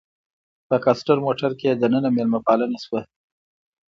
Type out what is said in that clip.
په کاسټر موټر کې دننه میلمه پالنه شوه.